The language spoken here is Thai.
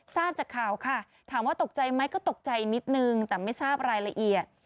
ทราบจากข่าวค่ะถามว่าตกใจไหมก็ตกใจนิดนึงแต่ไม่ทราบรายละเอียด